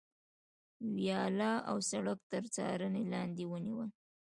ویاله او سړک تر څارنې لاندې ونیول.